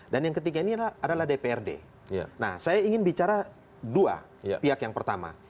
dan yang ketiga ini adalah dprd nah saya ingin bicara dua pihak yang pertama